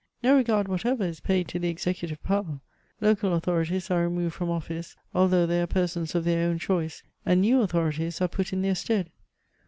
No regard whatever is paid to the executive power ; local authorities are removed from office, although they are persons of their own choice, and new authorities are put in their stead.